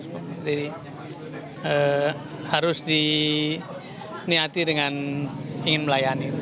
jadi harus diniati dengan ingin melayani